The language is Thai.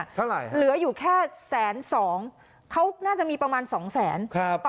เท่าไหร่เหลืออยู่แค่แสนสองเขาน่าจะมีประมาณสองแสนครับ